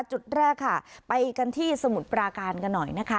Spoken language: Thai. จุดแรกค่ะไปกันที่สมุทรปราการกันหน่อยนะคะ